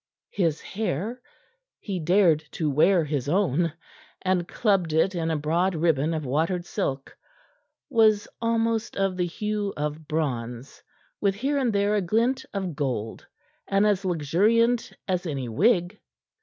His hair he dared to wear his own, and clubbed it in a broad ribbon of watered silk was almost of the hue of bronze, with here and there a glint of gold, and as luxuriant as any wig.